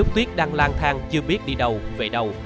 tuyết đang lang thang chưa biết đi đâu về đâu